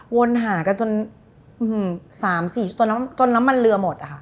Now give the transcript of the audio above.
วนหากันจน๓๔จนน้ำมันเรือหมดอะค่ะ